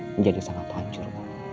menjadi sangat hancur